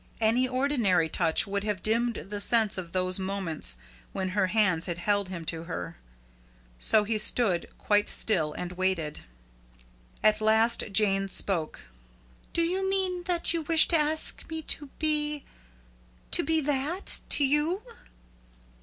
Any ordinary touch would have dimmed the sense of those moments when her hands had held him to her. So he stood quite still and waited. At last Jane spoke. "Do you mean that you wish to ask me to be to be THAT to you?"